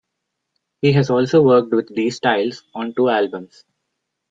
He has also worked with D-Styles on two albums.